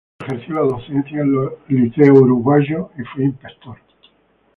Ejerció la docencia en los liceos uruguayos y fue inspector.